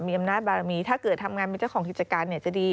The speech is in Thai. มีอำนาจบารมีถ้าเกิดทำงานเป็นเจ้าของกิจการจะดี